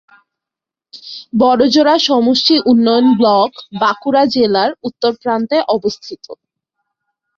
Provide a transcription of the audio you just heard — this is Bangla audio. বড়জোড়া সমষ্টি উন্নয়ন ব্লক বাঁকুড়া জেলার উত্তর প্রান্তে অবস্থিত।